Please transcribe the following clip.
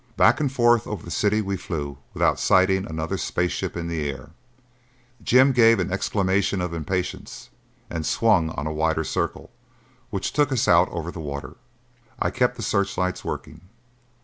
Back and forth over the city we flew without sighting another spaceship in the air. Jim gave an exclamation of impatience and swung on a wider circle, which took us out over the water. I kept the searchlights working.